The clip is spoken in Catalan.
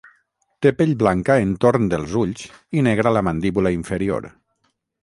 Té pell blanca entorn dels ulls i negra la mandíbula inferior.